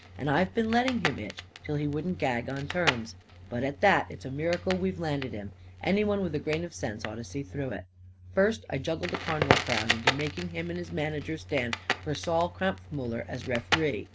And I've been letting him itch, till he wouldn't gag on terms. But, at that, it's a miracle we've landed him. Anyone with a grain of sense ought to see through it. "First, I juggle the carn'val crowd into making him and his manager stand for Sol Kampfmuller as ref'ree.